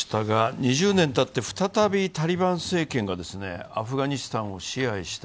２０年たって再びタリバン政権がアフガニスタンを支配した。